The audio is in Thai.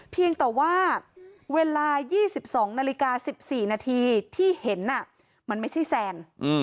เพียงแต่ว่าเวลา๒๒นาฬิกา๑๔นาทีที่เห็นมันไม่ใช่แซน